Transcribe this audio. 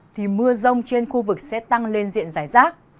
thì mưa rông trên khu vực sẽ tăng lên diện giải rác